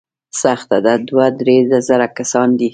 سخته ده، دوه، درې زره کسان دي.